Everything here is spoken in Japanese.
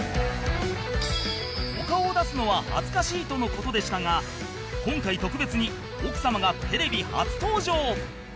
お顔を出すのは恥ずかしいとの事でしたが今回特別に奥様がテレビ初登場！